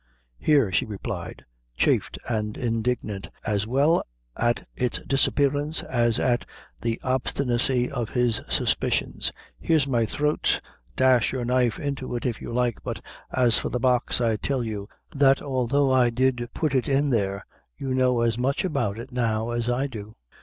"Here," she replied, chafed and indignant as well at its disappearance as at the obstinacy of his suspicions "here's my throat dash your knife into it, if you like but as for the box, I tell you, that although I did put it in there, you know as much about it now as I do."